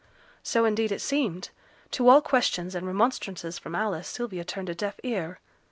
So indeed it seemed. To all questions and remonstrances from Alice, Sylvia turned a deaf ear.